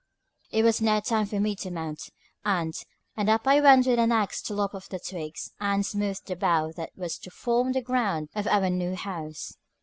It was now time for me to mount, and up I went with an axe to lop off the twigs and smooth the bough that was to form the ground of our new house.